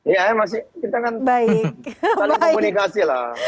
ya masih kita kan saling komunikasi lah saling komunikasi